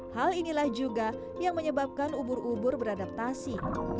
hal inilah juga yang menyebabkan ubur ubur beradaptasi